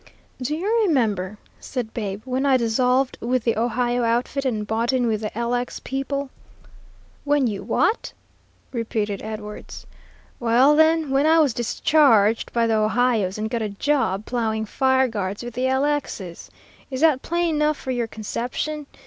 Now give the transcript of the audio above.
"Do you remember," said Babe, "when I dissolved with the 'Ohio' outfit and bought in with the 'LX' people?" "When you what?" repeated Edwards. "Well, then, when I was discharged by the 'Ohio's' and got a job ploughing fire guards with the 'LX's.' Is that plain enough for your conception?